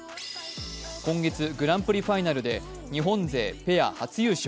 今月グランプリファイナルで日本勢ペア初優勝。